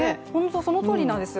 そのとおりなんです。